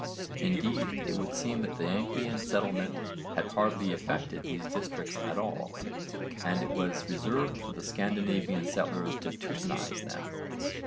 Indeed it would seem that the Anglian settlement had hardly affected these districts at all, and it was reserved for the Scandinavian settlers to Teutonise them.